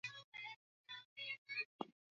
hakikisha orodha yako ya lazima kuona vivutio